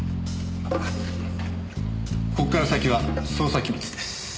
ここから先は捜査機密です。